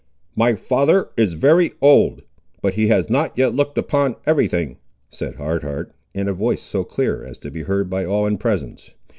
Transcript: "My father is very old, but he has not yet looked upon every thing," said Hard Heart, in a voice so clear as to be heard by all in presence.